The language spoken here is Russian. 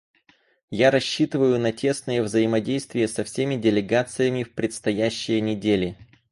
Я рассчитываю на тесное взаимодействие со всеми делегациями в предстоящие недели.